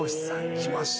きました。